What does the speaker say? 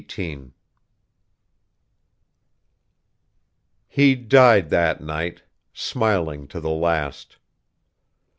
XVIII He died that night, smiling to the last.